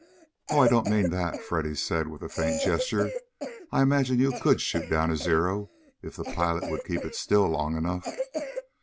"Oh, I don't mean that," Freddy said with a faint gesture. "I imagine you could shoot down a Zero if the pilot would keep it still long enough.